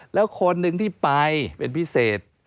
แล้วคนหนึ่งที่ไปเป็นพิเศษ